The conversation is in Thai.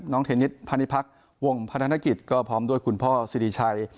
เทนิสพนิพักษ์วงพนักกิจก็พร้อมด้วยคุณพ่อสิริชัย